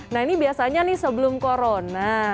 nah ini biasanya nih sebelum corona